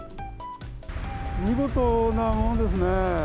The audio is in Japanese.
見事なもんですね。